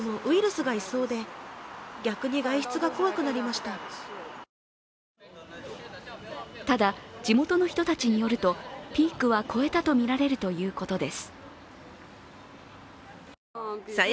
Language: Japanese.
ただ、地元の人たちによるとピークは越えたとみられるということです。